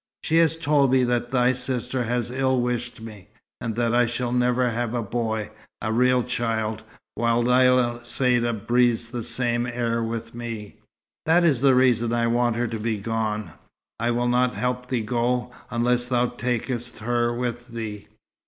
She has told me that thy sister has ill wished me, and that I shall never have a boy a real child while Lella Saïda breathes the same air with me. That is the reason I want her to be gone. I will not help thee to go, unless thou takest her with thee."